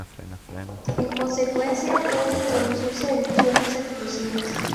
En consecuencia, pueden producirse erupciones explosivas.